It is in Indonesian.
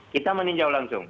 kita meninjau langsung